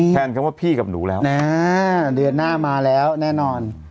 แทนคำว่าพี่กับหนูแล้วเดือนหน้ามาแล้วแน่นอน